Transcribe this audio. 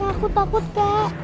aku takut kak